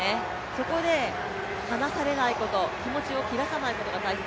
そこで離されないこと気持ちを切らさないことが大切。